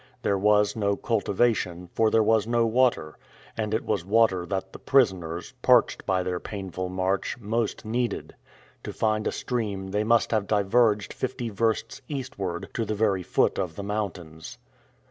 There was no cultivation, for there was no water; and it was water that the prisoners, parched by their painful march, most needed. To find a stream they must have diverged fifty versts eastward, to the very foot of the mountains.